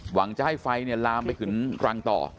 หวังจะให้ไฟลามไปถึงรังต่อ